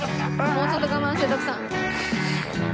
もうちょっと我慢して徳さん。